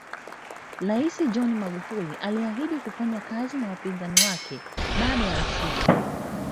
Rais John Magufuli aliahidi kufanya kazi na wapinzani wake baada ya ushindi